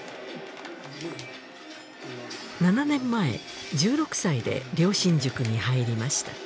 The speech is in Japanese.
７年前１６歳で良心塾に入りました